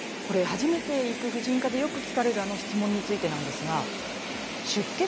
初めて行く婦人科でよく聞かれるあの質問についてです。